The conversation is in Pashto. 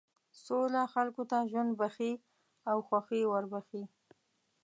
سوله خلکو ته ژوند بښي او خوښي وربښي.